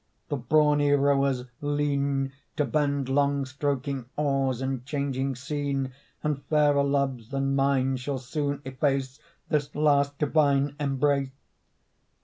The brawny rowers lean To bend long stroking oars; and changing scene And fairer loves than mine shall soon efface This last divine embrace.